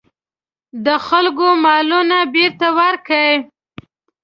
د خلکو مالونه بېرته ورکړي.